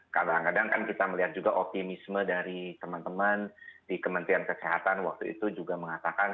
kadang kadang kan kita melihat juga optimisme dari teman teman di kementerian kesehatan waktu itu juga mengatakan